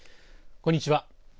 こんにちは。